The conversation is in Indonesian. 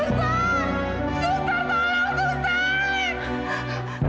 susah susah tolong susah